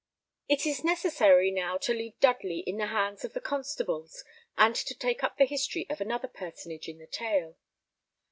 It is necessary now to leave Dudley in the hands of the constables, and to take up the history of another personage in the tale.